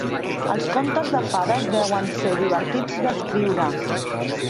Els contes de fades deuen ser divertits d'escriure.